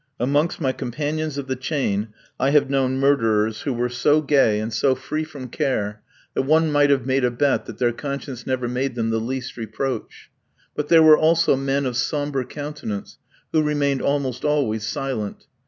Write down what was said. Amongst my companions of the chain I have known murderers who were so gay and so free from care, that one might have made a bet that their conscience never made them the least reproach. But there were also men of sombre countenance who remained almost always silent.